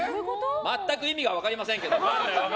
全く意味が分かりませんけど。